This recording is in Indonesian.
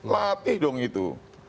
latih dong itu